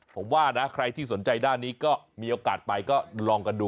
ผมว่านะใครที่สนใจด้านนี้ก็มีโอกาสไปก็ลองกันดู